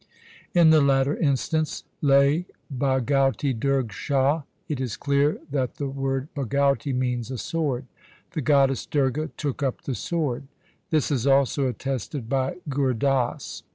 In the latter instance, Lai Bhagauti Durg shah, it is clear that the word Bhagauti means a sword —' The goddess Durga took up the sword.' This is also attested by Gur Das.